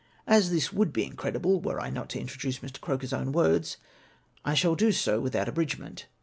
As this would be incredible Avere I not to introduce Mr. Croker's own words I, shall do so without abridg ment.